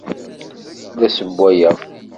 La ssewwayeɣ.